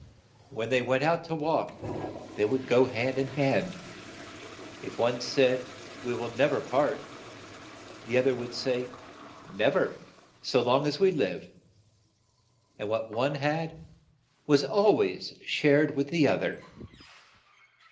When they went out to walk they would go hand in hand ; if one said, "We will nev er part," the oth er would say, "Nev er, so long as we live," and what one had was al ways shared with the oth er.